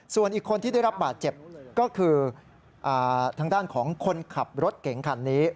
ส่วนอีกคนที่ได้รับบาดเจ็บก็คือทางด้านของคนขับรถเก๋งคันนี้